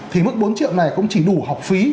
thì mức bốn triệu này cũng chỉ đủ học phí